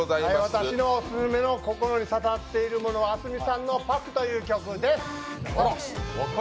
私のオススメの心に刺さっているものはａｓｍｉさんの「ＰＡＫＵ」という曲です。